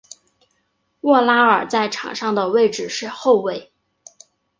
沃拉尔在场上的位置是后卫。